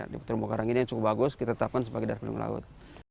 di petrumbo karang ini yang cukup bagus kita tetapkan sebagai daerah perlindungan laut